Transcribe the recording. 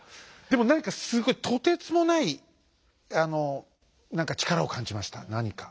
でも何かすごいとてつもない何か力を感じました何か。